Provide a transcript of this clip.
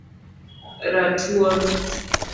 ratuon